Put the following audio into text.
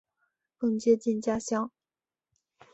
更接近家乡